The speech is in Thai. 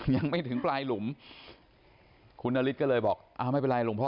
ยังไม่ถึงปลายหลุมคุณนฤทธิก็เลยบอกอ้าวไม่เป็นไรหลวงพ่อ